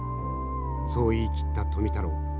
そう言い切った富太郎。